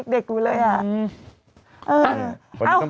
เด็กดูเลยอ่ะ